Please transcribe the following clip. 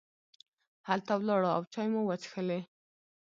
هلته ولاړو او چای مو وڅښلې.